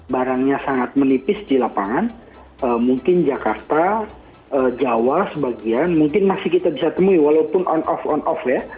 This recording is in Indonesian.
barangnya sangat menipis di lapangan mungkin jakarta jawa sebagian mungkin masih kita bisa temui walaupun on off on off ya